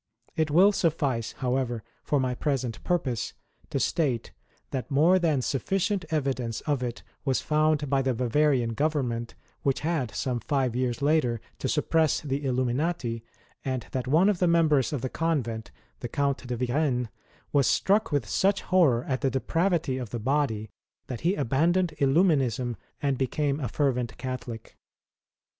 It will suffice, however, for my present purpose, to state, that more than sufficient evidence of it was found by the Bavarian Government, which had, some five years later, to suppress the Ilium inati, and that one of the mem])ers of the convent, the Count de Yirene, was struck with such horror at tlie depravity of the body, that he abandoned Illuminism and became a fervent Catholic.